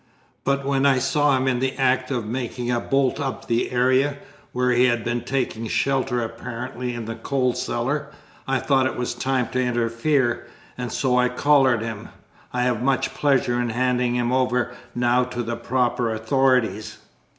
But when I saw him in the act of making a bolt up the area, where he had been taking shelter apparently in the coal cellar, I thought it was time to interfere, and so I collared him. I have much pleasure in handing him over now to the proper authorities."